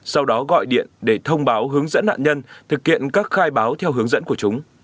sau đó gọi điện để thông báo hướng dẫn nạn nhân thực hiện các khai báo theo hướng dẫn của chúng